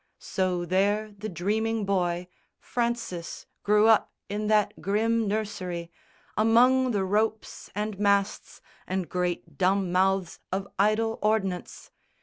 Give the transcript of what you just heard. So there the dreaming boy, Francis, grew up in that grim nursery Among the ropes and masts and great dumb mouths Of idle ordnance.